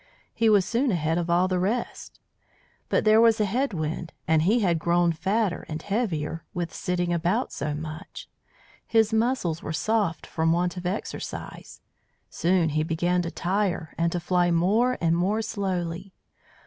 He was soon ahead of all the rest. But there was a head wind, and he had grown fatter and heavier with sitting about so much; his muscles were soft from want of exercise. Soon he began to tire and to fly more and more slowly.